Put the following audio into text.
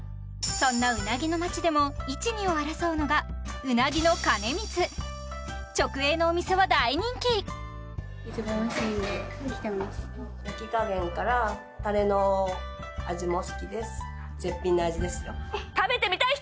そんなうなぎの町でも１２を争うのがうなぎの兼光直営のお店は大人気食べてみたい人！